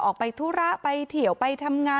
เพราะไม่เคยถามลูกสาวนะว่าไปทำธุรกิจแบบไหนอะไรยังไง